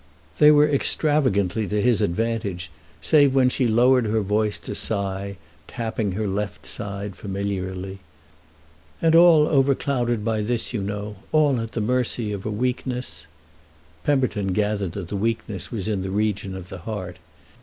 They were extravagantly to his advantage save when she lowered her voice to sigh, tapping her left side familiarly, "And all overclouded by this, you know; all at the mercy of a weakness—!" Pemberton gathered that the weakness was in the region of the heart.